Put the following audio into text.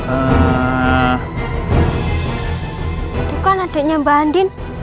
itu kan adiknya mbak andin